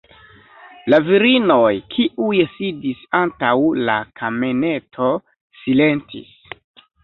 La virinoj, kiuj sidis antaŭ la kameneto, silentis.